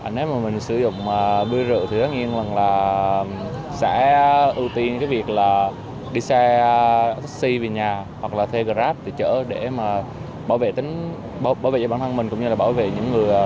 nếu mình sử dụng bươi rượu thì tất nhiên là sẽ ưu tiên việc đi xe taxi về nhà hoặc là theo grab để bảo vệ bản thân mình